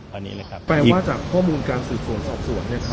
แปลว่าจากข้อมูลการสูดส่วนสอบส่วน